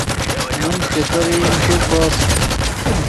من چے پرئیم تو کوس